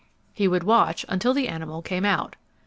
He would watch until the animal came out.